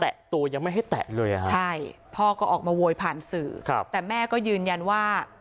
ตัวยังไม่ให้แตะเลยอ่ะฮะใช่พ่อก็ออกมาโวยผ่านสื่อครับแต่แม่ก็ยืนยันว่า